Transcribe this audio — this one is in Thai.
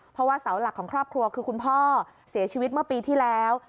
เพราะว่าเสาหลักของครอบครัวคือคุณพ่อเสียชีวิตเมื่อปีที่แล้ว